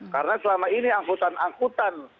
karena selama ini angkutan angkutan